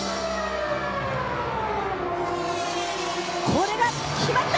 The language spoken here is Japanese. これが決まった！